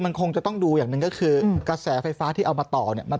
มันคงจะต้องดูอย่างหนึ่งก็คือกระแสไฟฟ้าที่เอามาต่อเนี่ย